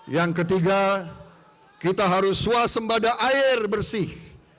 yang ketiga kita harus swasembada air bersih